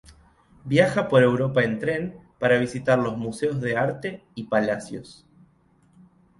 Viaja por Europa en tren para visitar los museos de arte y palacios.